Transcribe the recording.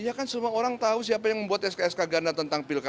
iya kan semua orang tahu siapa yang membuat sk sk ganda tentang pilkada